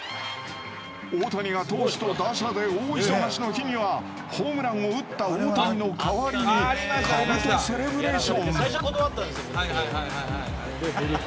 大谷が投手と打者で大忙しの日にはホームランを打った大谷の代わりにかぶとセレブレーション！